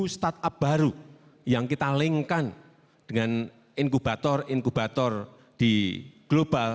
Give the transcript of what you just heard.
startup baru yang kita link kan dengan inkubator inkubator di global